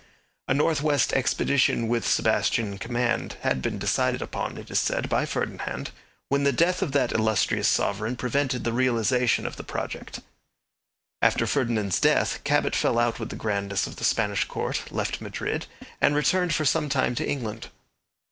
A north west expedition with Sebastian in command had been decided upon, it is said, by Ferdinand, when the death of that illustrious sovereign prevented the realization of the project. After Ferdinand's death, Cabot fell out with the grandees of the Spanish court, left Madrid, and returned for some time to England.